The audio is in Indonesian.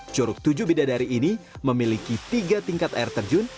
curug tujuh bidadari ini memiliki tiga tingkat air terjun